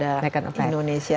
dampak kepada indonesia